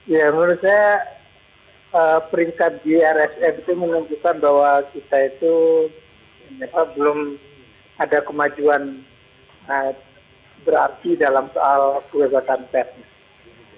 ya menurut saya peringkat di rsm itu menunjukkan bahwa kita itu belum ada kemajuan berarti dalam soal kebebasan teknis